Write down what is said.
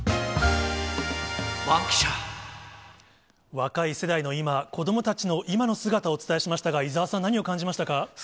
若い世代の今、子どもたちの今の姿をお伝えしましたが、伊沢さん、何を感じましたか？